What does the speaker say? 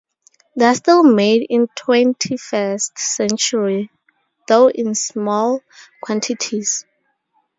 They are still made in the twenty-first century, though in small quantities.